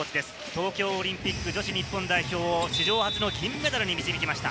東京オリンピック女子日本代表を史上初の銀メダルに導きました。